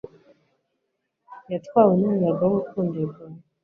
yatwawe n'umuyaga w'urukundo rwawe